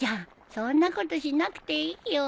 そんなことしなくていいよ。